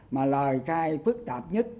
mà lời khai phức tạp nhất